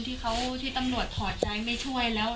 ที่ตำรวจถอดใจไม่ช่วยแล้ว